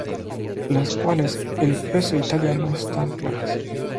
Las cuales el peso y talla no están claras